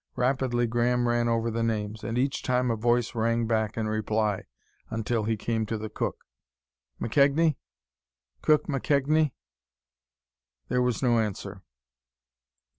Rapidly Graham ran over the names, and each time a voice rang back in reply until he came to the cook. "McKegnie?... Cook McKegnie?" There was no answer.